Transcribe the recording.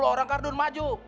sepuluh orang ardun maju